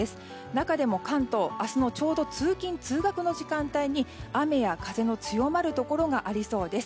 中でも関東、明日のちょうど通勤・通学の時間帯に雨や風の強まるところがありそうです。